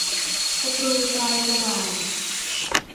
สกรูปลายสว่าน